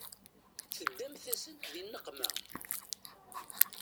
Teddamt-asent di nneqma.